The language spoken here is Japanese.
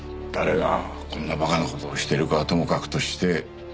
誰がこんな馬鹿な事をしてるかはともかくとして。